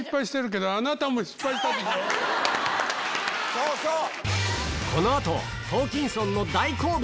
そうそう！